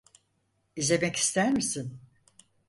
İzlemek ister misin?